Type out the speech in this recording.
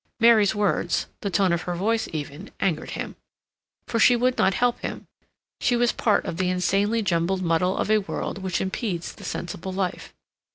Mary's words, the tone of her voice even, angered him, for she would not help him. She was part of the insanely jumbled muddle of a world which impedes the sensible life.